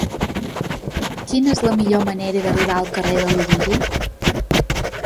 Quina és la millor manera d'arribar al carrer del Lliri?